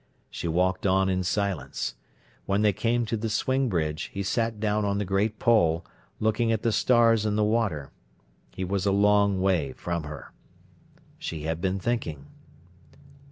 She walked on in silence. When they came to the swing bridge he sat down on the great pole, looking at the stars in the water. He was a long way from her. She had been thinking.